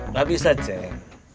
tidak bisa ceng